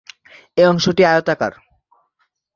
এই অংশটি আয়তাকার।